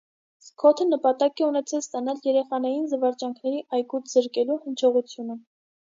Սքոթը նպատակ է ունեցել ստանալ «երեխաներին զվարճանքների այգուց զրկելու» հնչողությունը։